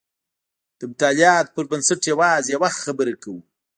د مطالعاتو پر بنسټ یوازې یوه خبره کوو.